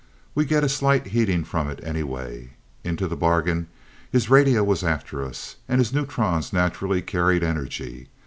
We get a slight heating from it, anyway. Into the bargain, his radio was after us, and his neutrons naturally carried energy.